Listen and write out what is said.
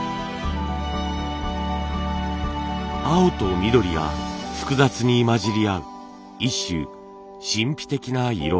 青と緑が複雑に混じり合う一種神秘的な色合い。